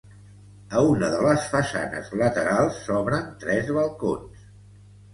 A una de les façanes laterals s'obren tres balcons.